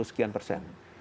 delapan puluh sekian persen